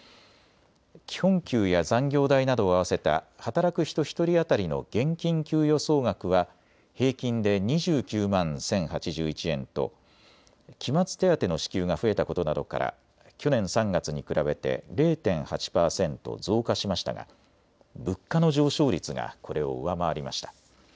基本給や残業代などを合わせた働く人１人当たりの現金給与総額は平均で２９万１０８１円と期末手当の支給が増えたことなどから去年３月に比べて０．８％増加しましたが物価の上昇率がこれを上回りました。